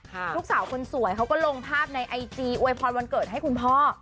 ลูกสาวคนสวยเขาก็ลงภาพในไอจีอวยพรวันเกิดให้คุณพ่อ